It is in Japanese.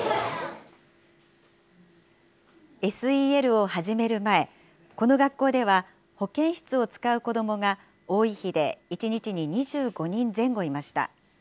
ＳＥＬを始める前、この学校では保健室を使う子どもが多い日で１日に２５人前後いました。